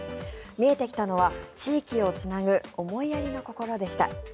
見えてきたのは、地域をつなぐ思いやりの心でした。